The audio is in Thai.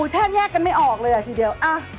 แทบแยกกันไม่ออกเลยอ่ะทีเดียว